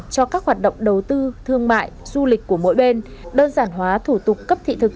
cho các hoạt động đầu tư thương mại du lịch của mỗi bên đơn giản hóa thủ tục cấp thị thực